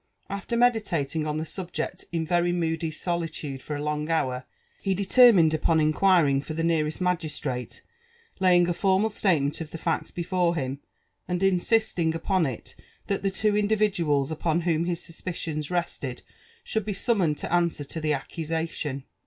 After meditating en the subjeot ia very moody solitude for a long hour, ha determined upon iflquirtn{[ for the aearaaC magistrate, laying a formal sUtement of the facls be fore him, arid insisting upon it that the two individuals upon whom his suspicioas rested should be summoned to answer to the accusation.